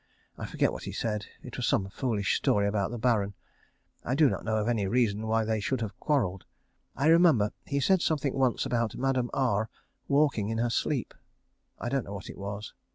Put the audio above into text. I forget what he said. It was some foolish story about the Baron. I do not know of any reason why they should have quarrelled. I remember he said something once about Madame R walking in her sleep. I don't know what it was.